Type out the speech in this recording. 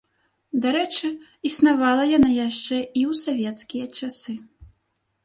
Дарэчы, існавала яна яшчэ і ў савецкія часы.